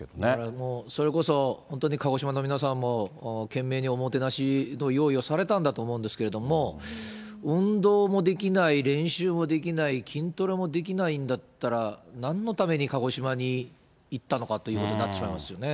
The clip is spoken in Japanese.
もう、それこそ本当に鹿児島の皆さんも、懸命におもてなしの用意をされたんだと思うんですけれども、運動もできない、練習もできない、筋トレもできないんだったら、なんのために鹿児島に行ったのかということになってしまいますよ